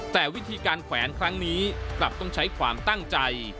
แต่วิธีการแขวนครั้งนี้กลับต้องใช้ความตั้งใจ